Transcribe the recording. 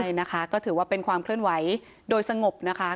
ใช่นะคะก็ถือว่าเป็นความเคลื่อนไหวโดยสงบนะคะ